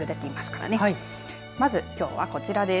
まず、きょうはこちらです。